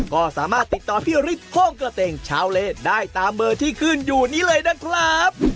ก็สามารถติดต่อพี่ฤทธิโฮ่งกระเตงชาวเลสได้ตามเบอร์ที่ขึ้นอยู่นี้เลยนะครับ